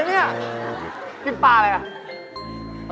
นี่ล่ะไหม